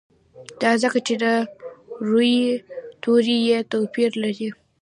دا ځکه چې د روي توري یې توپیر لري.